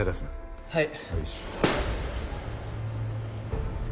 はい。